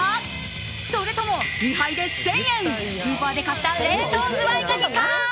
それとも２杯で１０００円スーパーで買った冷凍ズワイガニか。